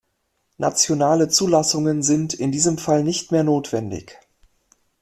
Nationale Zulassungen sind in diesem Fall nicht mehr notwendig.